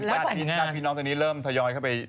ญาติพี่น้องตอนนี้เริ่มทยอยเข้าไป